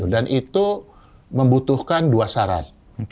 dan itu membutuhkan dua syarat